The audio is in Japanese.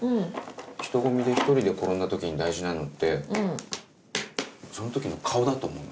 人混みで１人で転んだ時に大事なのってその時の顔だと思うのね。